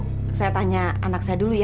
oke saya tanya anak saya dulu ya